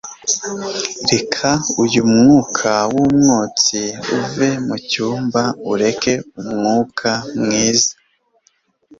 reka uyu mwuka wumwotsi uve mucyumba ureke umwuka mwiza